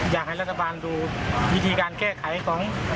อยากให้รัฐบาลดูวิธีการแก้ไขของ